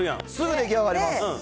すぐ出来上がります。